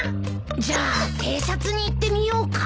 じゃあ偵察に行ってみようか。